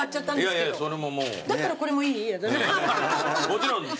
もちろんです。